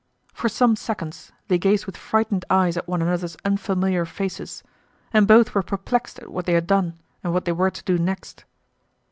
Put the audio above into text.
For some seconds they gazed with frightened eyes at one another's unfamiliar faces and both were perplexed at what they had done and what they were to do next.